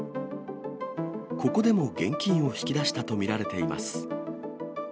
ここでも現金を引き出したと見られています。